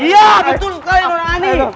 iya betul sekali nona ani